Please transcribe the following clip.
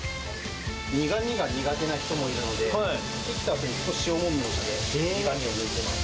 苦みが苦手な人もいるので、切ったあとに少し塩もみをして、苦みを抜いてます。